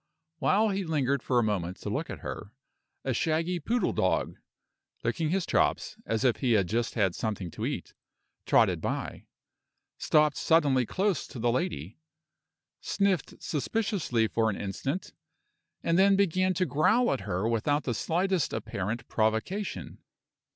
While he lingered for a moment to look at her, a shaggy poodle dog (licking his chops, as if he had just had something to eat) trotted by, stopped suddenly close to the lady, sniffed suspiciously for an instant, and then began to growl at her without the slightest apparent provocation.